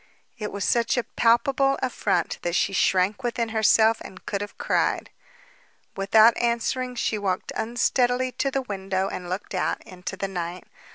It was such a palpable affront that she shrank within herself and could have cried. Without answering, she walked unsteadily to the window and looked out into the night.